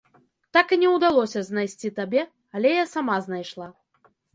Так і не ўдалося знайсці табе, але я сама знайшла.